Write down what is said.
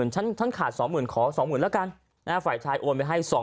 ฉันขาด๒๐๐๐ขอ๒๐๐๐แล้วกันฝ่ายชายโอนไปให้๒๐๐